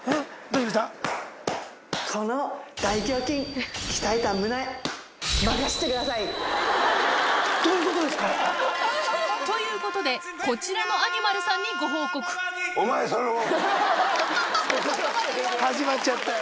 どういうことですか⁉ということでこちらのアニマルさんにご報告お前それを。